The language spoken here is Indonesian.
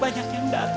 banyak yang dapet